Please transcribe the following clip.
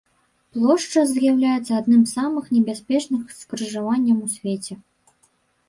Плошча з'яўляецца адным з самых небяспечных скрыжаванняў у свеце.